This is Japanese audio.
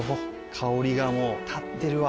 香りがもうたってるわ。